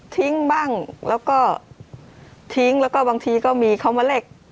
ทิ้งบ้างแล้วก็ทิ้งแล้วก็บางทีก็มีเขามาแลก